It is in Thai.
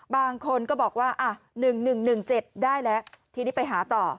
บางคนก็บอกว่า๑๑๑๑๗ได้แล้วทีนี้ไปหาต่อ